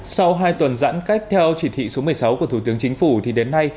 sau hai tuần giãn cách theo chỉ thị số một mươi sáu của thủ tướng chính phủ thì đến nay